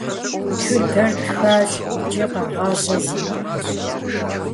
Тхыдэр тхащ икӀи къэгъазэ зимыӀэщ.